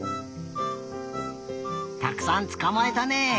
たくさんつかまえたね！